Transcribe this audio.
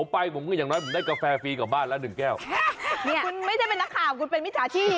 โปรดติดตามตอนต่อไป